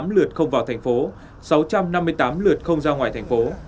một sáu trăm linh tám lượt không vào thành phố sáu trăm năm mươi tám lượt không ra ngoài thành phố